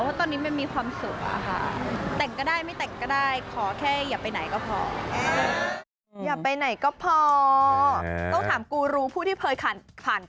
เพราะตอนนี้มันมีความสุขอะค่ะ